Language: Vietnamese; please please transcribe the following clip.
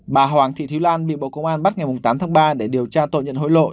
bà hoàng thị thúy lan bị bộ công an bắt ngày tám tháng ba để điều tra tội nhận hối lộ